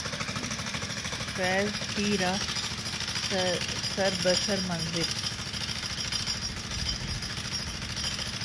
فیضؔ تھی راہ سر بسر منزل